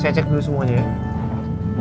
saya cek dulu semuanya ya